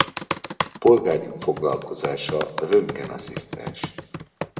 Polgári foglalkozása röntgen asszisztens.